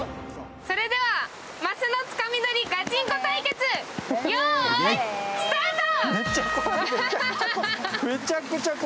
それではマスのつかみ取りガチンコ対決、よーい、スタート！